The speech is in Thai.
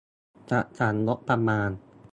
จัดสรรงบประมาณ